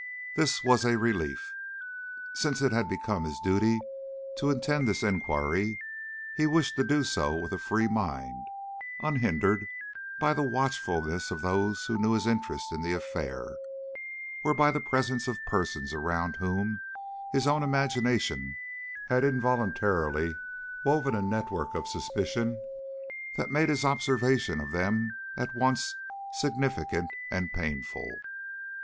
This was a relief. Since it had become his duty to attend this inquiry, he wished to do so with a free mind, unhindered by the watchfulness of those who knew his interest in the affair, or by the presence of persons around whom his own imagination had involuntarily woven a network of suspicion that made his observation of them at once significant and painful.